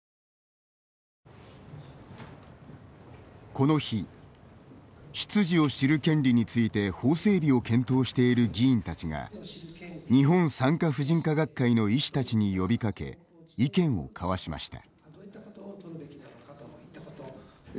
この日出自を知る権利について法整備を検討している議員たちが日本産科婦人科学会の医師たちに呼びかけ意見を交わしました。